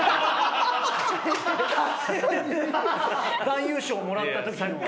男優賞もらったときの。